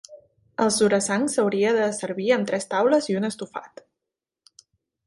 El "surasang" s'hauria de servir amb tres taules i un estofat.